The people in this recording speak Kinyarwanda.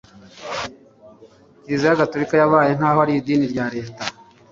kiliziya gatolika yabaye nk'aho ari idini rya leta